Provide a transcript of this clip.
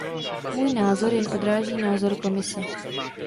Můj názor jen odráží názor Komise.